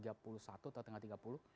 kita berbicara tentang itu